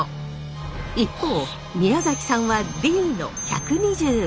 一方宮崎さんはＤの１２５。